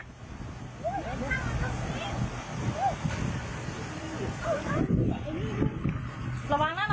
ระวังนะระวังนะ